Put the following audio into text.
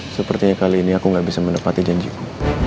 sepertinya kali ini aku gak bisa menepati janjiku